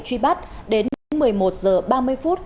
truy bắt đến một mươi một giờ ba mươi phút